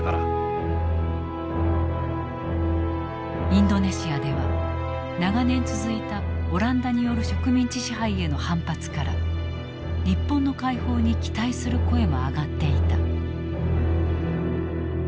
インドネシアでは長年続いたオランダによる植民地支配への反発から日本の解放に期待する声も上がっていた。